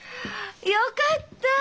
よかった！